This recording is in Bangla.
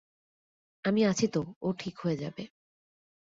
আমি আছি তো, ও ঠিক হয়ে যাবে।